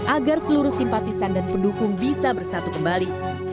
agar seluruh simpatisan dan pendukung bisa bersatu kembali